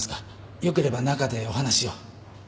よければ中でお話を。